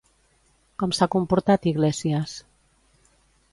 Com s'ha comportat Iglesias?